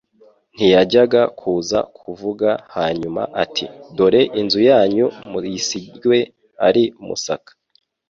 Ntiyajyaga kuza kuvuga hanyuma ati : «Dore inzu yanyu muyisigiwe ari umusaka'.»